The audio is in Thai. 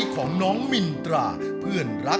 ขอบคุณค่ะ